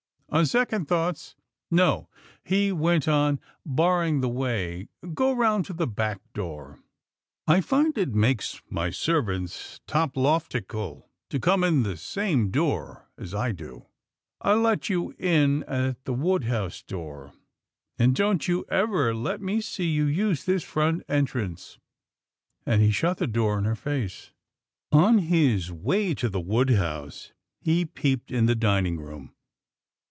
On second thoughts, no," he went on, barring the way. " Go round to the back door. I find it makes my servants toploftical to come in the same door I do. I'll let you in at the wood house door, and don't you ever let me see you use this front entrance," and he shut the door in her face. On his way to the wood house, he peeped in the dining room.